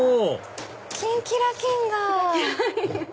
キンキラキンだ！